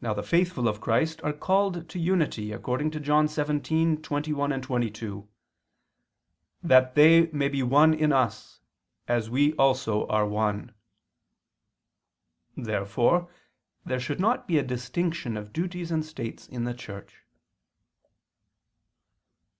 Now the faithful of Christ are called to unity according to John 17:21, 22: "That they ... may be one in Us ... as We also are one." Therefore there should not be a distinction of duties and states in the Church.